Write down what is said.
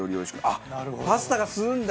あっパスタが吸うんだ